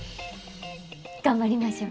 頑張りましょう。